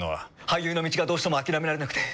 俳優の道がどうしても諦められなくて。